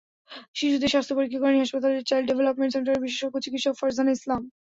শিশুদের স্বাস্থ্য পরীক্ষা করেন হাসপাতালের চাইল্ড ডেভেলপমেন্ট সেন্টারের বিশেষজ্ঞ চিকিৎসক ফারজানা ইসলাম।